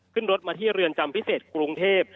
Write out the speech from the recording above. ขึ้นรถมาที่เรือนจำพิเศษกรุงเทพ